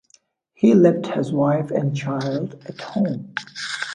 He left his wife and child at home.